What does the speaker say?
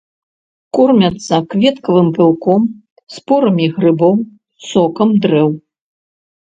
Кормяцца кветкавым пылком, спорамі грыбоў, сокам дрэў.